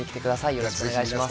よろしくお願いします